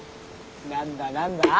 何だ何だ？